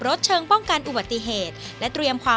วันนี้ขอบคุณพี่อมนต์มากเลยนะครับ